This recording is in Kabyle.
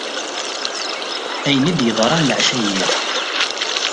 Ayen i d-yeḍran leɛca-ayi.